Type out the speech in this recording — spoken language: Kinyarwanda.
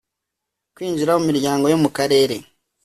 kwinjira mu miryango yo mu karere